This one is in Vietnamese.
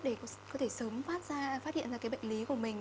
để có thể sớm phát hiện ra cái bệnh lý của mình